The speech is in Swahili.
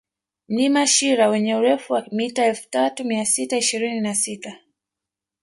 Mlima Shira wenye urefu wa mita elfu tatu mia sita ishirini na sita